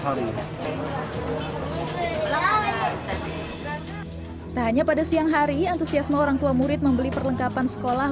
hari hari tanya pada siang hari antusiasme orang tua murid membeli perlengkapan sekolah